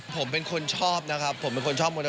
ผมเป็นคนชอบนะครับผมเป็นคนชอบมอเตอร์ไซค์